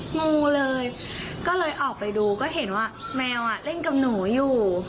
งูเลยก็เลยออกไปดูก็เห็นว่าแมวเล่นกับหนูอยู่